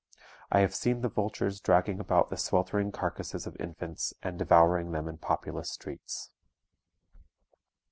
I have seen the vultures dragging about the sweltering carcasses of infants, and devouring them in populous streets.